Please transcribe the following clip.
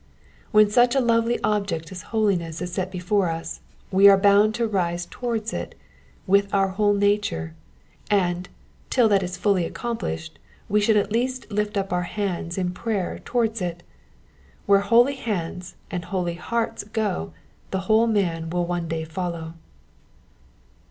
When such a lovely object as holiness is set before us, we are bound to rise towards it with our whole nature, and till that is fully accomplbhed we should at least lift up our hands in prayer towards it. Where holy hands and holy hearts go, the whole man will one day follow.